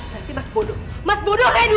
nanti mas bodoh mas bodoh rengguk